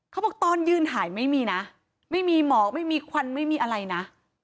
เขาบอกตอนยืนหายไม่มีนะไม่มีหมอกไม่มีควันไม่มีอะไรนะ